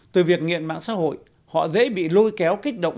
từ việc nghiện mạng xã hội họ dễ bị lôi kéo kích động